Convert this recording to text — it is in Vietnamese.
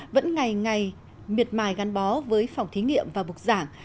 vẫn ngày ngày miệt mài gắn bó với phòng thí nghiệm và bục giảng